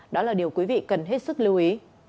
đó là điều quý vị cần hết sức lưu ý